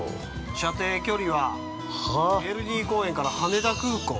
◆射程距離は、ヴェルニー公園から羽田空港。